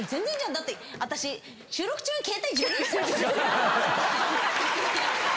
だって私収録中にケータイ充電してる。